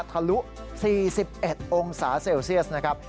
ทะลุ๔๑องศาเซลเซียสนะครับ